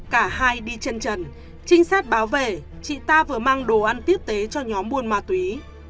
cả hai đi chân trần trinh sát báo về chị ta vừa mang đồ ăn tiếp tế cho nhóm buôn ma túy